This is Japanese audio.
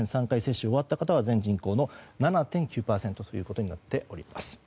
３回接種が済んだ方は全人口の７．９％ということになっております。